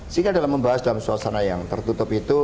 sehingga dalam membahas dalam suasana yang tertutup itu